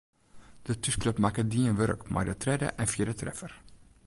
De thúsklup makke dien wurk mei de tredde en fjirde treffer.